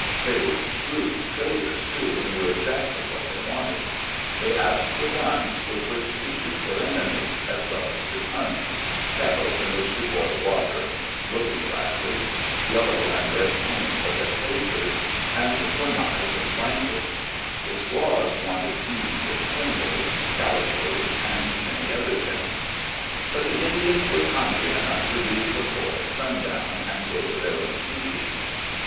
They were shrewd traders, too, and knew exactly what they wanted. They asked for guns, with which to shoot their enemies, as well as to hunt; kettles in which to boil water; looking glasses; yellow and red paint for their faces; and for knives and [6i] ^, Digitized by VjOOQ LC EARLY DAYS IN OLD OREGON blankets. The squaws wanted beads and thimbles, calicoes, and many other things. But the Indians were kindly enou^ to leave the "fort'' at sundown and go to their own tepees.